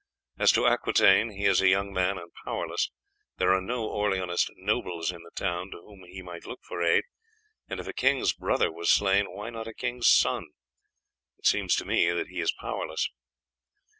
As to Aquitaine, he is a young man and powerless. There are no Orleanist nobles in the town to whom he might look for aid; and if a king's brother was slain, why not a king's son? It seems to me that he is powerless."